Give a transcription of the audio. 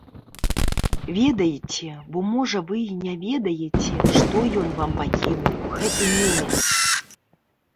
Ведайце, бо можа вы і не ведаеце, што ён вам пакінуў, гэты немец.